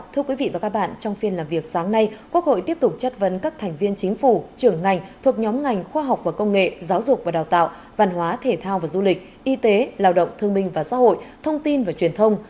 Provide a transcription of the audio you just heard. thưa quý vị và các bạn trong phiên làm việc sáng nay quốc hội tiếp tục chất vấn các thành viên chính phủ trưởng ngành thuộc nhóm ngành khoa học và công nghệ giáo dục và đào tạo văn hóa thể thao và du lịch y tế lao động thương minh và xã hội thông tin và truyền thông